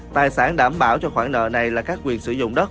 tài sản đảm bảo cho khoản nợ này là các quyền sử dụng đất